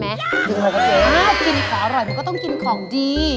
มันก็ต้องกินของดี